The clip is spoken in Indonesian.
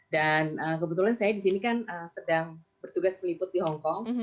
dan kebetulan saya di sini kan sedang bertugas meliput di hongkong